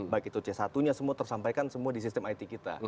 baik itu c satu nya semua tersampaikan semua di sistem it kita